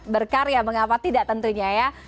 berkarya mengapa tidak tentunya ya